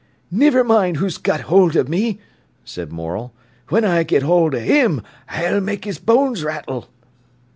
"Niver mind who's got hold of me," said Morel. "When I get hold of 'im I'll make his bones rattle."